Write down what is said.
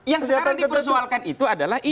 yang sekarang dipersoalkan itu adalah